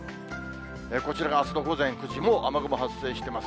こちらがあすの午前９時、もう雨雲発生してます。